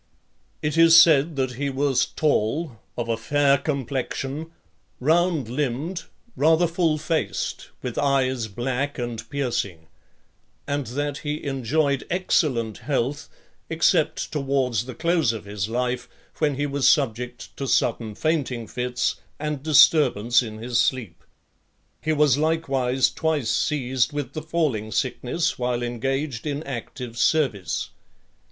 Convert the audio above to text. XLV. It is said that he was tall, of a fair complexion, round limbed, rather full faced, with eyes black and piercing; and that he enjoyed excellent health, except towards the close of his life, when he was subject to sudden fainting fits, and disturbance in his sleep. He was likewise twice seized with the falling sickness while engaged in active service.